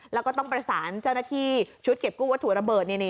แล้วก็ต้องประสานเจ้าหน้าที่ชุดเก็บกู้วัตถุระเบิด